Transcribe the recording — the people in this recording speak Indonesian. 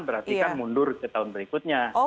berarti kan mundur ke tahun berikutnya